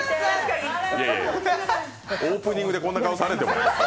オープニングでこんな顔されてもね。